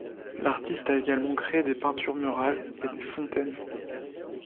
L'artiste a également créé des peintures murales et des fontaines.